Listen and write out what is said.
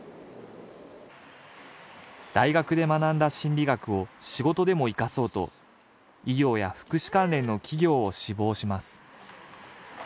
大学で学んだ心理学を仕事でも生かそうと医療や福祉関連の企業を志望します